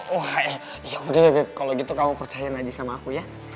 wah ya udah bebep kalo gitu kamu percaya aja sama aku ya